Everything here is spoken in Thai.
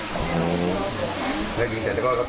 ครับกลับไปทางเดิน